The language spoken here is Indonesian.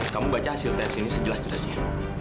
kamu baca hasil tes ini sejelas jelasnya